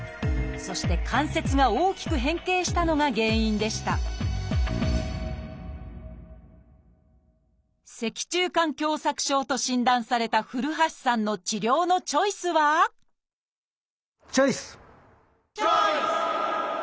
そして関節が大きく変形したのが原因でした「脊柱管狭窄症」と診断された古橋さんの治療のチョイスはチョイス！